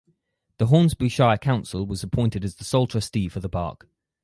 The Hornsby Shire Council was appointed as the sole trustee for the park.